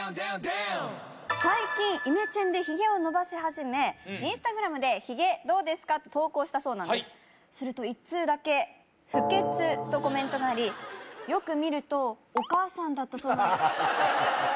最近イメチェンでヒゲを伸ばし始めインスタグラムで「ヒゲどうですか？」と投稿したそうなんですすると一通だけ「不潔」とコメントがありよく見るとお母さんだったそうなんです